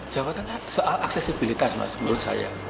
jawa tengah soal aksesibilitas mas menurut saya